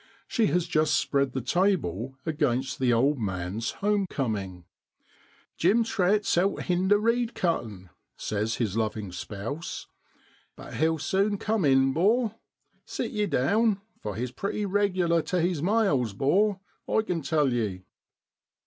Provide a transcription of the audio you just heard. She has just spread the table against "the old man's home coming. ' Jim Trett's out hinder reed cuttin',' says his loving spouse, * but he'll sune cum in, 'bor; sit ye down, for he's pretty reg'lar tu his males, 'bor, I kin tell ye